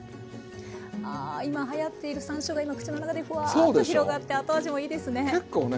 あ今はやっているさんしょうが今口の中でフワーッと広がって後味もいいですね。